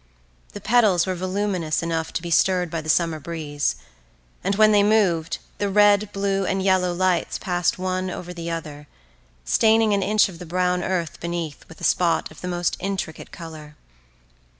The petals were voluminous enough to be stirred by the summer breeze, and when they moved, the red, blue and yellow lights passed one over the other, staining an inch of the brown earth beneath with a spot of the most intricate colour.